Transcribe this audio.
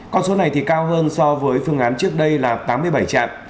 con số này thì cao hơn so với phương án trước đây là tám mươi bảy trạm